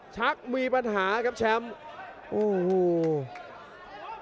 ฉักมีปัญหาครับแชมป์